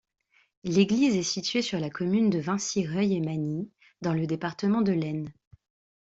L'église est située sur la commune de Vincy-Reuil-et-Magny, dans le département de l'Aisne.